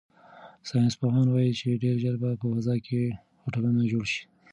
ساینس پوهان وایي چې ډیر ژر به په فضا کې هوټلونه جوړ شي.